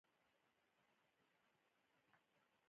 آیا دوی بانکونه او دفترونه نه ساتي؟